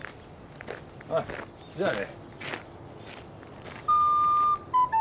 あぁじゃあね。